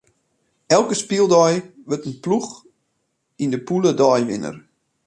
Elke spyldei wurdt in ploech yn de pûle deiwinner.